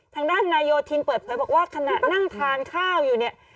ทางด้านนายโยธินเปิดเผยบอกว่าขณะนั่งทานข้าวอยู่เนี่ย